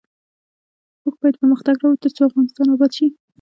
موږ باید پرمختګ راوړو ، ترڅو افغانستان اباد شي.